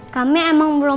kami kaya keluar